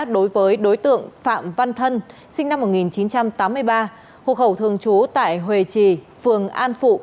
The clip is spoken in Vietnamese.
đối với đối tượng phạm văn thân sinh năm một nghìn chín trăm tám mươi ba hộ khẩu thường trú tại hòe trì phường an phụ